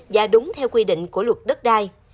và đúng theo quy định của luật đất đai